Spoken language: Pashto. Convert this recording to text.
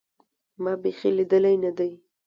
ما بيخي ليدلى نه دى.